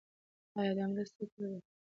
ایا دا مرسته کوي؟